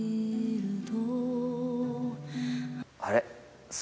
あれ？